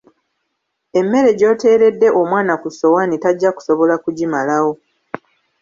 Emmere gy'oteeredde omwana ku ssowaani tajja kusobola kugimalawo.